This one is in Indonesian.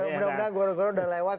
mudah mudahan guru goro udah lewat